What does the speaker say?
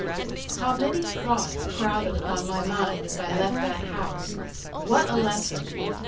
How many thoughts crowded upon my mind as I left that house! What a lesson!